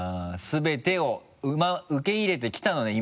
全てを受け入れてきたのね？